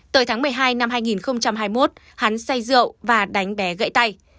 tới tháng một mươi hai năm hai nghìn hai mươi một hắn say rượu và đánh bé gãy tay